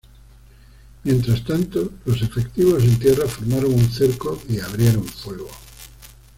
Mientras tanto, los efectivos en tierra formaron un cerco y abrieron fuego.